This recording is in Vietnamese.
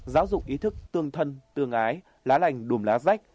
giáo dục ý thức tương thân tương ái lá lành đùm lá rách